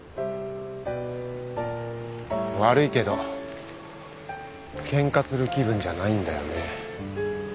悪いけどケンカする気分じゃないんだよね。